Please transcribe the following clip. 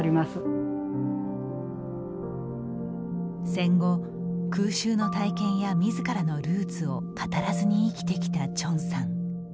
戦後、空襲の体験やみずからのルーツを語らずに生きてきた鄭さん。